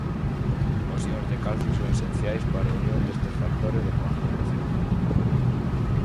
Os ións de calcio son esenciais para a unión destes factores de coagulación.